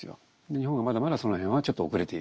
日本はまだまだその辺はちょっと遅れていると。